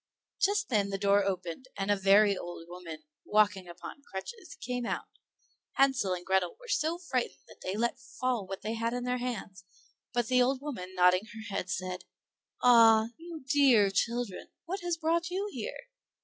Just then the door opened, and a very old woman, walking upon crutches, came out. Hansel and Grethel were so frightened that they let fall what they had in their hands; but the old woman, nodding her head, said, "Ah, you dear children, what has brought you here?